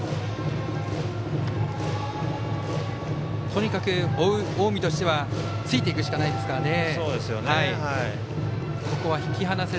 とにかく、追う近江としてはついていくしかないですからね。